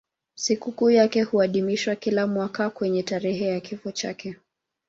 Sikukuu yake huadhimishwa kila mwaka kwenye tarehe ya kifo chake.